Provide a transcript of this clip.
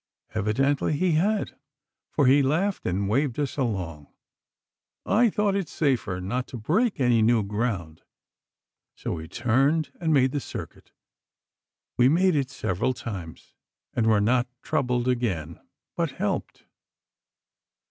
Evidently he had, for he laughed and waved us along. I thought it safer not to break any new ground, so we turned and made the circuit. We made it several times, and were not troubled again, but helped.